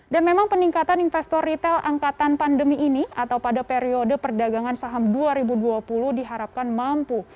dan memang peningkatan investor retail angkatan pandemi ini atau pada periode perdagangan saham dua ribu dua puluh diharapkan mampu